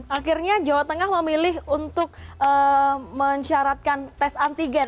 akhirnya jawa tengah memilih untuk mensyaratkan tes antigen